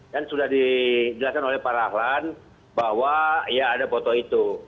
dan sudah dijelaskan oleh pak rahlan bahwa ya ada foto itu